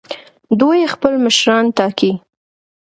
دوی خپل مشران ټاکي.